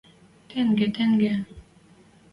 Тенге, тенге...